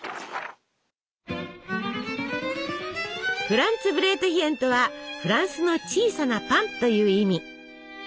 フランツブレートヒェンとはフランスの小さなパンという意味。